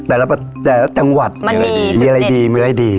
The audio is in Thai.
แต่ละแต่ละแต่งวัดมีอะไรดีมีอะไรดี